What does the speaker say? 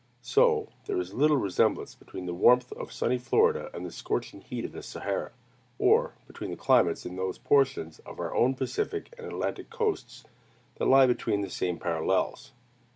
So there is little resemblance between the warmth of sunny Florida and the scorching heat of the Sahara: or between the climates in those portions of our own Pacific and Atlantic coasts that lie between the same parallels.